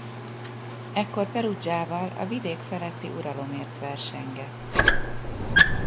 Ekkor Perugiával a vidék feletti uralomért versengett.